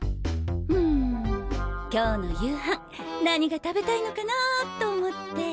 うん今日の夕飯何が食べたいのかなと思って。